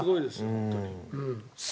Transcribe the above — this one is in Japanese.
本当に。